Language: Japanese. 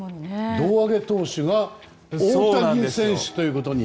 胴上げ投手が大谷選手ということに。